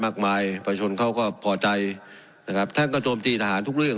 ประชาชนเขาก็พอใจนะครับท่านก็โจมตีทหารทุกเรื่อง